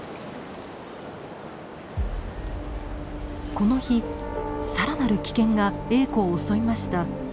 この日更なる危険がエーコを襲いました。